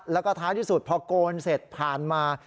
แล้วก็ท้ายที่สุดพอโกนเสร็จผ่านมา